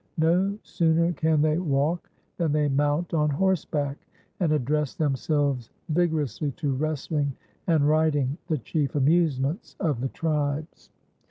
No sooner can they walk than they mount on horseback, and address themselves vigorously to wrestling and riding, the chief amusements of the tribes.